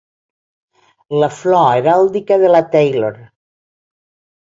La flor heràldica de la Taylor.